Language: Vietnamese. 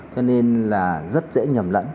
cho nên là rất dễ nhầm lẫn